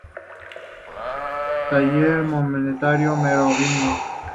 Taller monetario merovingio.